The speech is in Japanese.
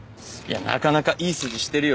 なかなかいい筋してるよ